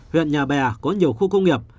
huyện nhà bè có nhiều khu công nghiệp